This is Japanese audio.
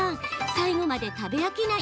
最後まで食べ飽きない